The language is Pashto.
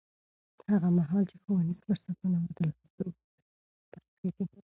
هغه مهال چې ښوونیز فرصتونه عادلانه وي، نابرابري نه پراخېږي.